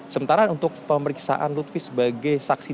sementara untuk pemeriksaan lutfi sebagai saksi